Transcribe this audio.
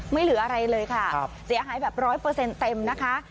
ไม่เหลืออะไรเลยค่ะเสียหายแบบ๑๐๐เต็มนะคะ